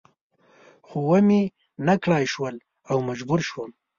خو و مې نه کړای شول او مجبور شوم.